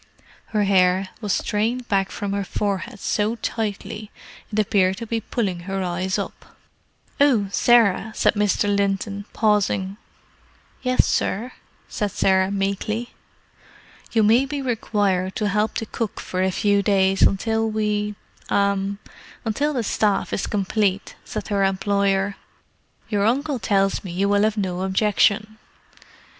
Her hair was strained back from her forehead so tightly it appeared to be pulling her eyes up. "Oh, Sarah," said Mr. Linton, pausing. "Yes, sir," said Sarah meekly. "You may be required to help the cook for a few days until we—er—until the staff is complete," said her employer. "Your uncle tells me you will have no objection."